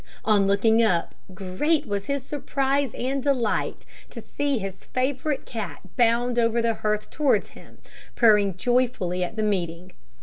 On looking up, great was his surprise and delight to see his favourite cat bound over the hearth towards him, purring joyfully at the meeting.